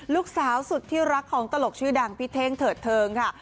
ลูกสาวสุดที่รักของตลกชื่อดังพี่เท่งเถิดเทิงค่ะ